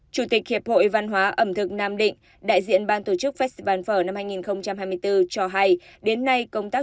chủ tịch hiệp hội văn hóa ẩm thực nam định đại diện ban tổ chức festival phở năm hai nghìn hai mươi bốn cho hay đến nay công tác